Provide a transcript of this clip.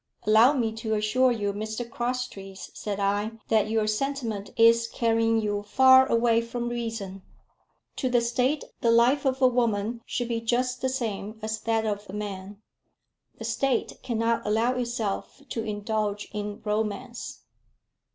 "Allow me to assure you, Mr Crosstrees," said I, "that your sentiment is carrying you far away from reason. To the State the life of a woman should be just the same as that of a man. The State cannot allow itself to indulge in romance."